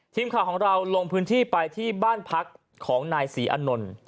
ทีมข่าวของเราลงพื้นที่ไปที่บ้านพักของนายศรีอานนท์